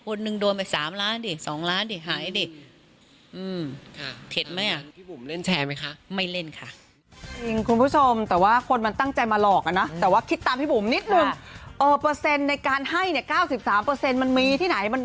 คนหนึ่งโดนแบบ๓ล้านสิ๒ล้านสิหายดิ